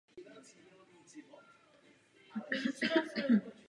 Humanitární situace v pásmu Gazy porušuje všechny normy lidské důstojnosti.